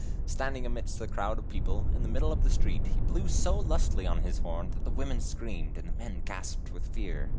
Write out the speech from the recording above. Standing amidst a crowd of people, in the middle of the street, he blew so lustily on his horn that the women screamed, and the men gasped with fear.